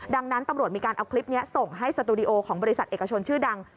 ดังนั้นตำรวจมีการเอาคลิปนี้ส่งให้สตูดิโอของบริษัทเอกชนชื่อดัง